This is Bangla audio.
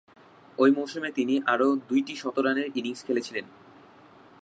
ঐ মৌসুমে তিনি আরও দুইটি শতরানের ইনিংস খেলেছিলেন।